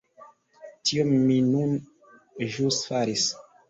Tion mi nun ĵus faris.